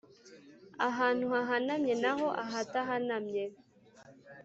ahantu hahanamye naho ahadahanamye